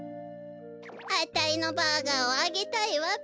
あたいのバーガーをあげたいわべ。